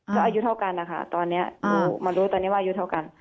ก็อายุเท่ากันนะคะตอนนี้มารู้ตอนนี้ว่าอายุเท่ากัน